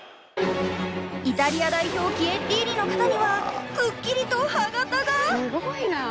イタリア代表キエッリーニの肩にはくっきりと歯形が！